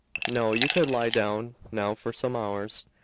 No, you can lie down now for some hours.